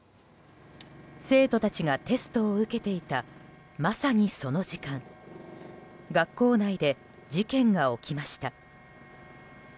生徒たちがテストを受けていたまさにその時間学校内で事件が起きました。